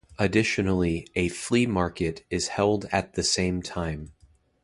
Additionally, a flea market is held at the same time.